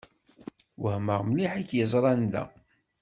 Wehmeɣ mliḥ i k-yeẓran da.